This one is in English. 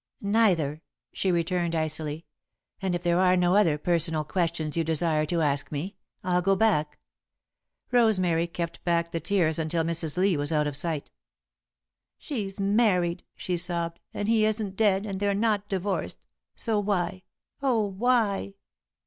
"Neither," she returned, icily, "and if there are no other personal questions you desire to ask me, I'll go back." Rosemary kept back the tears until Mrs. Lee was out of sight. "She's married," she sobbed, "and he isn't dead, and they're not divorced, so why oh, why?"